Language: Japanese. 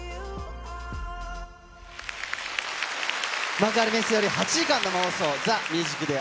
幕張メッセより、８時間生放送、ＴＨＥＭＵＳＩＣＤＡＹ